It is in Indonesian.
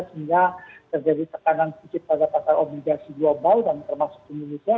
sehingga terjadi tekanan sedikit pada pasar obligasi global dan termasuk indonesia